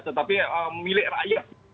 tetapi milik rakyat